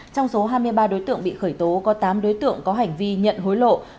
trong số hai mươi ba đối tượng bị khởi tố có tám đối tượng có hành vi nhận hối lộ